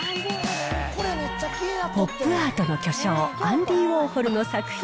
ポップアートの巨匠、アンディ・ウォーホルの作品